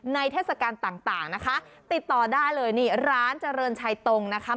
เทศกาลต่างนะคะติดต่อได้เลยนี่ร้านเจริญชัยตรงนะคะ